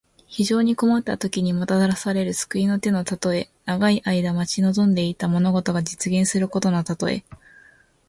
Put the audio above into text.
非常に困ったときに、もたらされる救いの手のたとえ。長い間待ち望んでいた物事が実現することのたとえ。